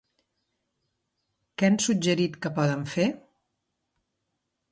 Què han suggerit que poden fer?